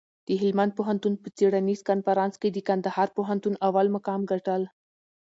د هلمند پوهنتون په څېړنیز کنفرانس کي د کندهار پوهنتون اول مقام ګټل.